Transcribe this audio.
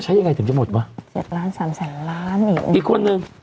อีกคนนึง